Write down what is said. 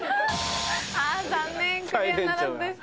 残念クリアならずです。